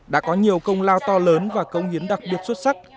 đã có nhiều công lao to lớn và công hiến đặc biệt xuất sắc